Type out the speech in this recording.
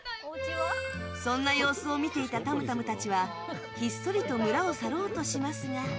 そんな様子を見ていたタムタムたちはひっそりと村を去ろうとしますが。